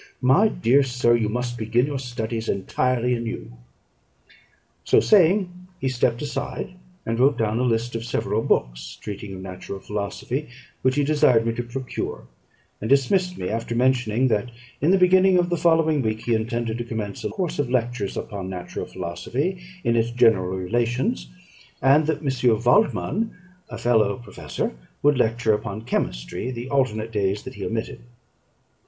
My dear sir, you must begin your studies entirely anew." So saying, he stept aside, and wrote down a list of several books treating of natural philosophy, which he desired me to procure; and dismissed me, after mentioning that in the beginning of the following week he intended to commence a course of lectures upon natural philosophy in its general relations, and that M. Waldman, a fellow professor, would lecture upon chemistry the alternate days that he omitted.